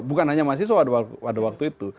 bukan hanya mahasiswa pada waktu itu